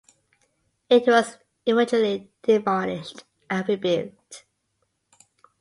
It was eventually demolished and rebuilt.